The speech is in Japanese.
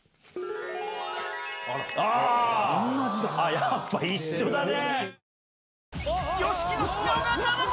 やっぱ一緒だね。